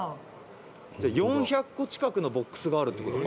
「じゃあ４００個近くのボックスがあるっていう事か」